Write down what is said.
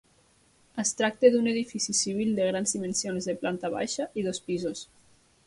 Es tracta d'un edifici civil de grans dimensions de planta baixa i dos pisos.